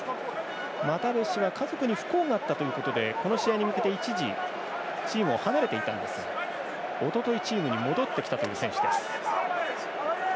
マタベシは家族に不幸があったということでこの試合に向けて、一時チームを離れていたんですがおととい、チームに戻ってきたという選手です。